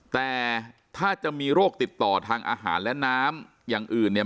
แต่ถ้าจะมีโรคติดต่อทางอาหารและน้ำอย่างอื่นเนี่ย